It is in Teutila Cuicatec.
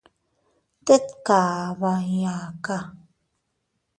Tet kaba iyaaka.